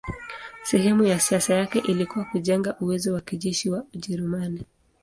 Sehemu ya siasa yake ilikuwa kujenga uwezo wa kijeshi wa Ujerumani.